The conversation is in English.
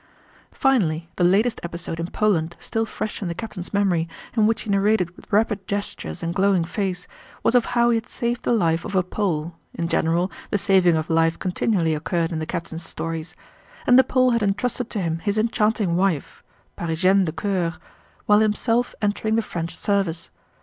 Finally, the latest episode in Poland still fresh in the captain's memory, and which he narrated with rapid gestures and glowing face, was of how he had saved the life of a Pole (in general, the saving of life continually occurred in the captain's stories) and the Pole had entrusted to him his enchanting wife (parisienne de cœur) while himself entering the French service.